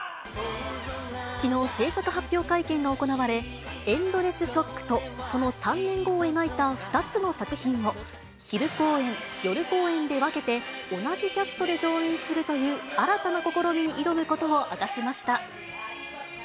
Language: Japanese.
きのう、製作発表会見が行われ、ＥｎｄｌｅｓｓＳＨＯＣＫとその３年後を描いた２つの作品を昼公演、夜公演で分けて、同じキャストで上演するという新たな試みに挑むことを明かしました。